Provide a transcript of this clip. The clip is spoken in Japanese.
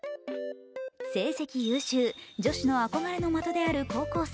成績優秀、女子の憧れの的である高校生